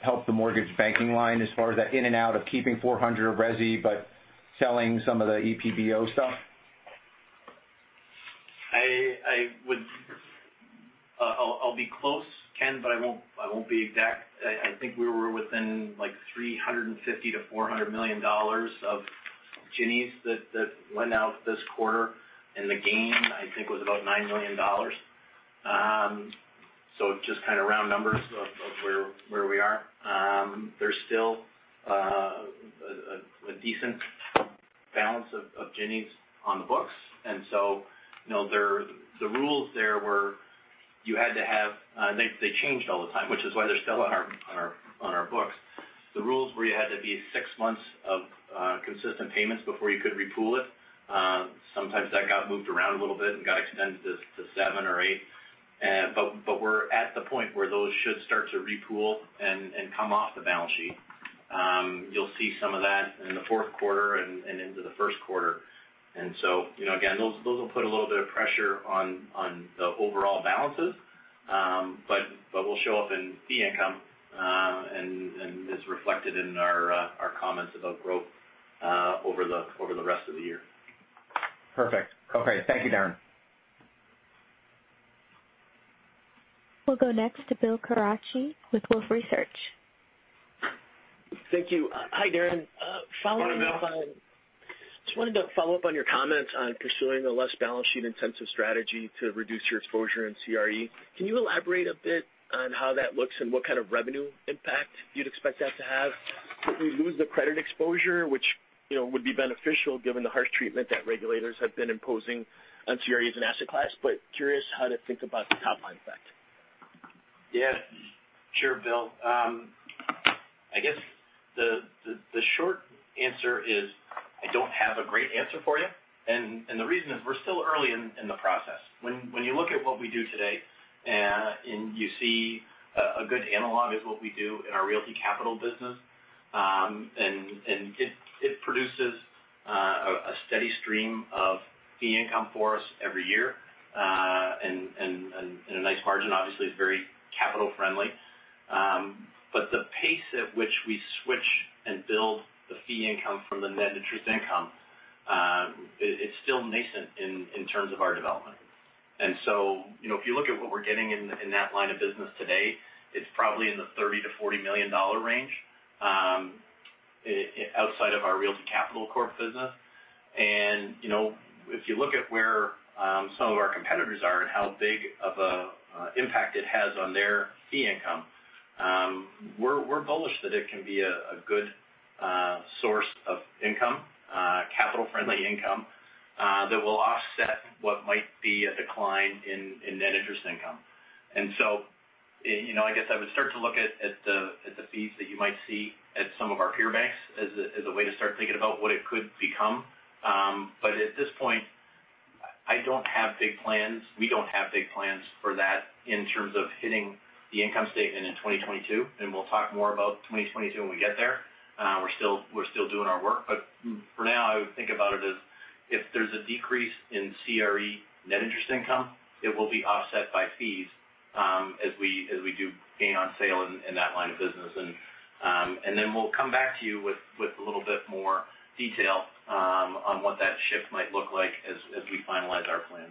helped the mortgage banking line as far as that in and out of keeping 400 of resi but selling some of the EBO stuff? I'll be close, Ken, but I won't be exact. I think we were within $350 million-$400 million of Ginnies that went out this quarter, and the gain, I think, was about $9 million. Just kind of round numbers of where we are. There's still a decent balance of Ginnies on the books. The rules there were they changed all the time, which is why they're still on our books. The rules were you had to be six months of consistent payments before you could re-pool it. Sometimes that got moved around a little bit and got extended to seven months or eight months. We're at the point where those should start to re-pool and come off the balance sheet. You'll see some of that in the fourth quarter and into the first quarter. Again, those will put a little bit of pressure on the overall balances. But will show up in fee income, and is reflected in our comments about growth over the rest of the year. Perfect. Okay. Thank you, Darren. We'll go next to Bill Carcache with Wolfe Research. Thank you. Hi, Darren. Morning, Bill. Just wanted to follow up on your comments on pursuing a less balance sheet-intensive strategy to reduce your exposure in CRE. Can you elaborate a bit on how that looks and what kind of revenue impact you'd expect that to have? Would we lose the credit exposure, which would be beneficial given the harsh treatment that regulators have been imposing on CRE as an asset class? But curious how to think about the top-line effect. Yeah. Sure, Bill. I guess the short answer is I don't have a great answer for you. The reason is we're still early in the process. When you look at what we do today, you see a good analog is what we do in our realty capital business. It produces a steady stream of fee income for us every year. A nice margin, obviously, it's very capital friendly. The pace at which we switch and build the fee income from the net interest income, it's still nascent in terms of our development. If you look at what we're getting in that line of business today, it's probably in the $30 million-$40 million range outside of our Realty Capital Corp business. If you look at where some of our competitors are and how big of an impact it has on their fee income, we're bullish that it can be a good source of income, capital-friendly income, that will offset what might be a decline in net interest income. I guess I would start to look at the fees that you might see at some of our peer banks as a way to start thinking about what it could become. At this point, I don't have big plans. We don't have big plans for that in terms of hitting the income statement in 2022, and we'll talk more about 2022 when we get there. We're still doing our work. For now, I would think about it as if there's a decrease in CRE net interest income, it will be offset by fees as we do gain on sale in that line of business. Then we'll come back to you with a little bit more detail on what that shift might look like as we finalize our plan.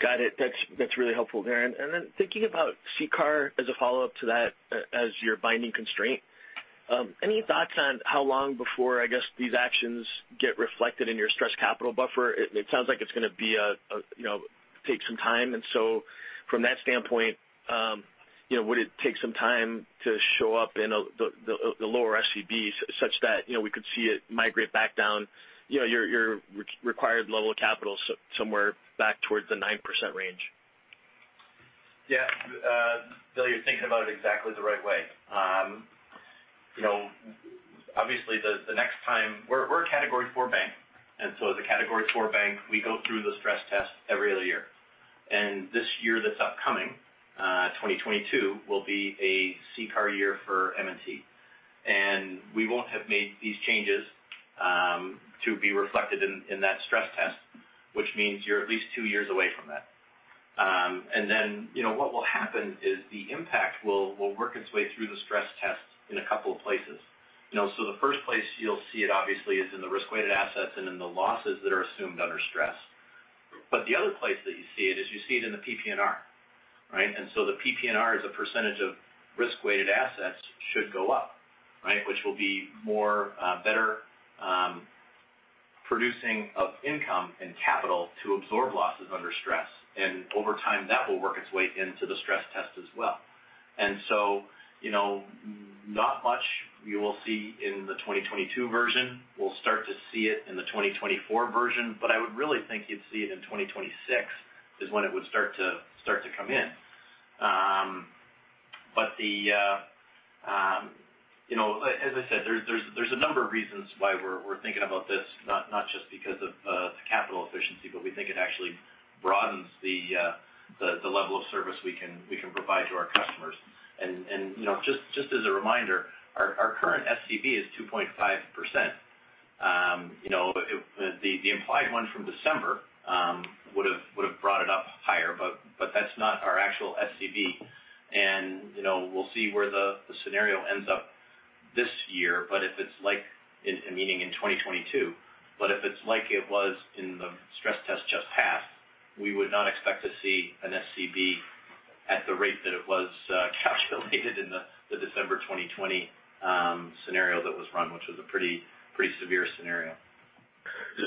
Got it. That's really helpful, Darren. Thinking about CCAR as a follow-up to that as your binding constraint. Any thoughts on how long before, I guess, these actions get reflected in your stress capital buffer? It sounds like it's going to take some time. From that standpoint, would it take some time to show up in the lower SCBs such that we could see it migrate back down your required level of capital somewhere back towards the 9% range? Yeah. Bill, you're thinking about it exactly the right way. Obviously, we're a Category IV bank. As a Category IV bank, we go through the stress test every other year. This year that's upcoming, 2022, will be a CCAR year for M&T. We won't have made these changes to be reflected in that stress test, which means you're at least two years away from that. What will happen is the impact will work its way through the stress test in a couple of places. The first place you'll see it, obviously, is in the risk-weighted assets and in the losses that are assumed under stress. The other place that you see it is you see it in the PPNR, right? The PPNR is a percentage of risk-weighted assets should go up, which will be better producing of income and capital to absorb losses under stress. Over time, that will work its way into the stress test as well. Not much you will see in the 2022 version. We'll start to see it in the 2024 version, but I would really think you'd see it in 2026 is when it would start to come in. As I said, there's a number of reasons why we're thinking about this, not just because of the capital efficiency, but we think it actually broadens the level of service we can provide to our customers. Just as a reminder, our current SCB is 2.5%. The implied one from December would've brought it up higher, but that's not our actual SCB. We'll see where the scenario ends up this year, meaning in 2022. If it's like it was in the stress test just passed, we would not expect to see an SCB at the rate that it was calculated in the December 2020 scenario that was run, which was a pretty severe scenario.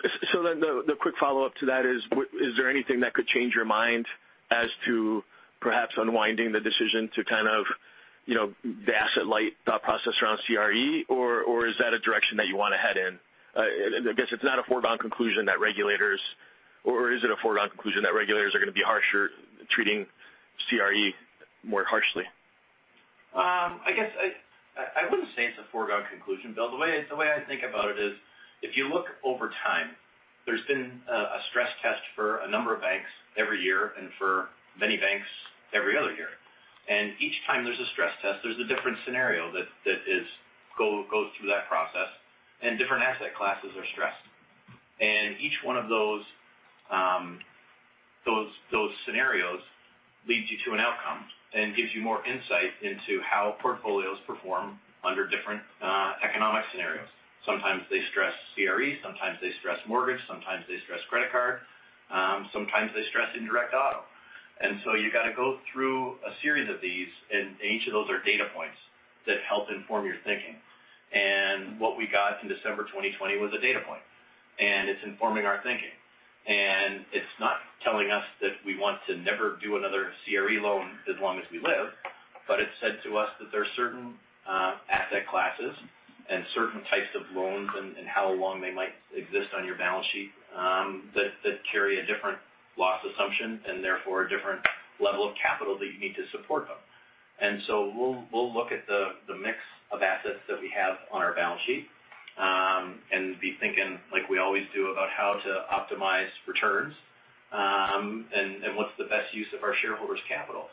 The quick follow-up to that is there anything that could change your mind as to perhaps unwinding the decision to kind of the asset light thought process around CRE, or is that a direction that you want to head in? I guess it's not a foregone conclusion that regulators-- or is it a foregone conclusion that regulators are going to be harsher, treating CRE more harshly? I guess I wouldn't say it's a foregone conclusion, Bill. The way I think about it is if you look over time, there's been a stress test for a number of banks every year and for many banks every other year. Each time there's a stress test, there's a different scenario that goes through that process and different asset classes are stressed. Each one of those scenarios leads you to an outcome and gives you more insight into how portfolios perform under different economic scenarios. Sometimes they stress CRE, sometimes they stress mortgage, sometimes they stress credit card, sometimes they stress indirect auto. So you got to go through a series of these, and each of those are data points that help inform your thinking. What we got in December 2020 was a data point, and it's informing our thinking. It's not telling us that we want to never do another CRE loan as long as we live, but it said to us that there are certain asset classes and certain types of loans and how long they might exist on your balance sheet that carry a different loss assumption, and therefore, a different level of capital that you need to support them. We'll look at the mix of assets that we have on our balance sheet and be thinking like we always do about how to optimize returns, and what's the best use of our shareholders' capital.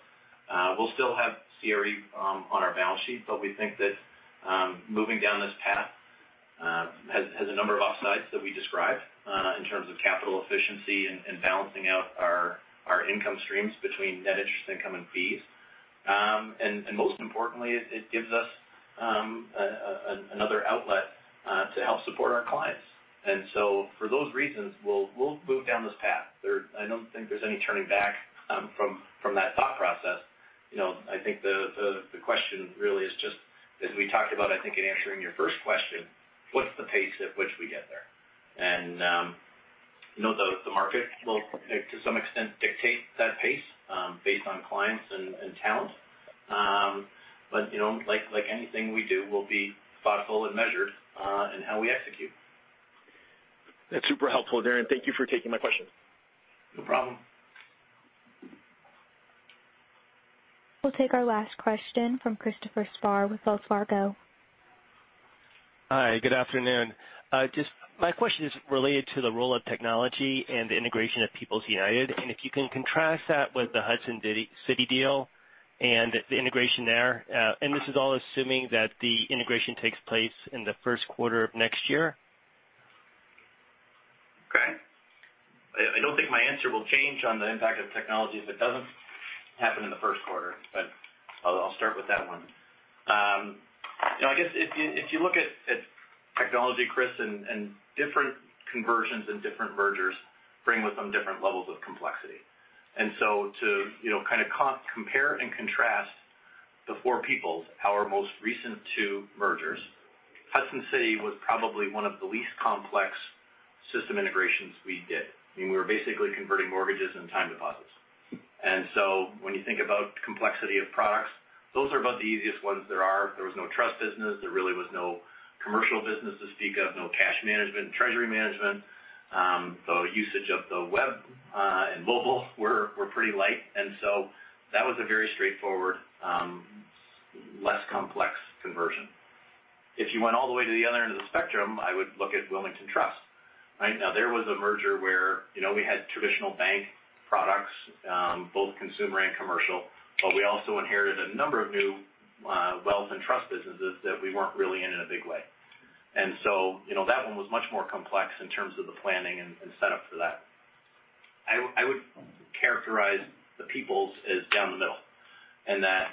We'll still have CRE on our balance sheet, but we think that moving down this path has a number of upsides that we described in terms of capital efficiency and balancing out our income streams between net interest income and fees. Most importantly, it gives us another outlet to help support our clients. So for those reasons, we'll move down this path. I don't think there's any turning back from that thought process. I think the question really is just as we talked about, I think in answering your first question, what's the pace at which we get there? The market will, to some extent, dictate that pace based on clients and talent. Like anything we do, we'll be thoughtful and measured in how we execute. That's super helpful, Darren. Thank you for taking my question. No problem. We'll take our last question from Christopher Spahr with Wells Fargo. Hi, good afternoon. My question is related to the role of technology and the integration of People's United, and if you can contrast that with the Hudson City deal and the integration there. This is all assuming that the integration takes place in the first quarter of next year. Okay. I don't think my answer will change on the impact of technology if it doesn't happen in the first quarter, but I'll start with that one. I guess if you look at technology, Chris, different conversions and different mergers bring with them different levels of complexity. To kind of compare and contrast before People, our most recent two mergers, Hudson City was probably one of the least complex system integrations we did. I mean, we were basically converting mortgages and time deposits. When you think about complexity of products, those are about the easiest ones there are. There was no trust business. There really was no commercial business to speak of, no cash management, treasury management. The usage of the web and mobile were pretty light. That was a very straightforward, less complex conversion. If you went all the way to the other end of the spectrum, I would look at Wilmington Trust, right? Now, there was a merger where we had traditional bank products, both consumer and commercial, but we also inherited a number of new wealth and trust businesses that we weren't really in in a big way. That one was much more complex in terms of the planning and setup for that. I would characterize the People's as down the middle, and that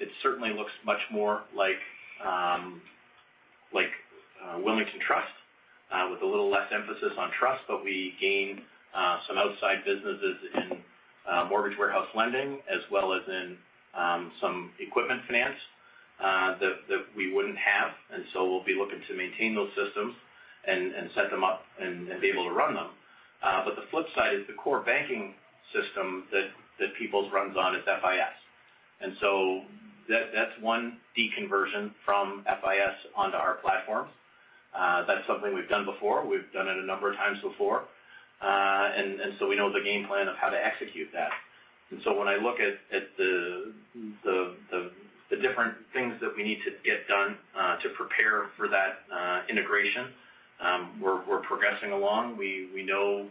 it certainly looks much more like Wilmington Trust with a little less emphasis on trust, but we gained some outside businesses in mortgage warehouse lending as well as in some equipment finance that we wouldn't have. We'll be looking to maintain those systems and set them up and be able to run them. The flip side is the core banking system that People's runs on is FIS. That's one de-conversion from FIS onto our platform. That's something we've done before. We've done it a number of times before. We know the game plan of how to execute that. When I look at the different things that we need to get done to prepare for that integration, we're progressing along. We know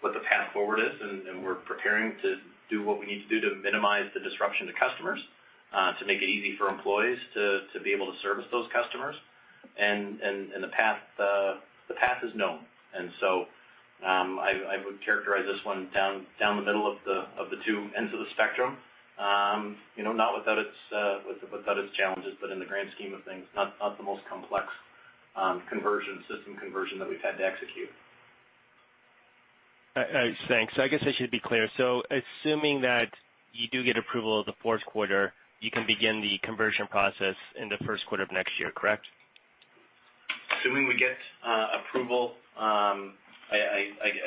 what the path forward is, and we're preparing to do what we need to do to minimize the disruption to customers, to make it easy for employees to be able to service those customers. The path is known. I would characterize this one down the middle of the two ends of the spectrum. Not without its challenges, but in the grand scheme of things, not the most complex system conversion that we've had to execute. Thanks. I guess I should be clear. Assuming that you do get approval of the fourth quarter, you can begin the conversion process in the first quarter of next year, correct? Assuming we get approval, I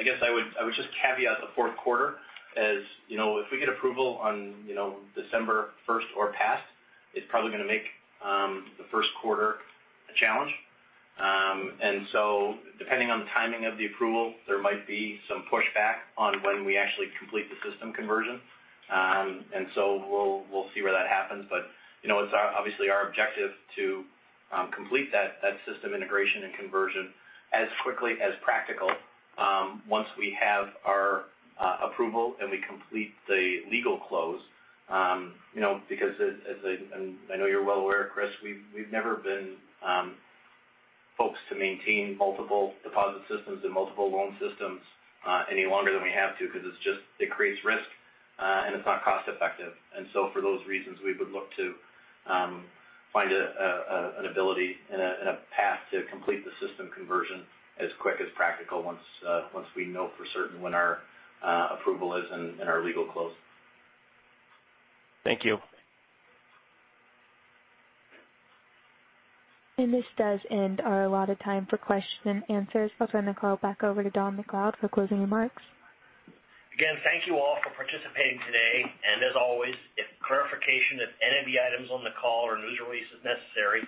guess I would just caveat the fourth quarter. As you know, if we get approval on December 1st or past, it's probably going to make the first quarter a challenge. Depending on the timing of the approval, there might be some pushback on when we actually complete the system conversion. We'll see where that happens. It's obviously our objective to complete that system integration and conversion as quickly as practical once we have our approval and we complete the legal close. As I know you're well aware, Christopher, we've never been folks to maintain multiple deposit systems and multiple loan systems any longer than we have to because it creates risk, and it's not cost effective. For those reasons, we would look to find an ability and a path to complete the system conversion as quick as practical once we know for certain when our approval is and our legal close. Thank you. This does end our allotted time for question and answers. I'll turn the call back over to Don MacLeod for closing remarks. Again, thank you all for participating today. As always, if clarification of any of the items on the call or news release is necessary,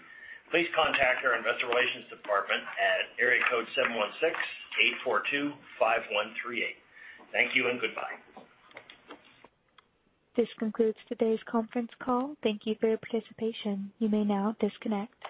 please contact our investor relations department at area code seven one six eight four two five one three eight. Thank you and goodbye. This concludes today's conference call. Thank you for your participation. You may now disconnect.